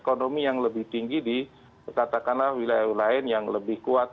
ekonomi yang lebih tinggi di katakanlah wilayah wilayah lain yang lebih kuat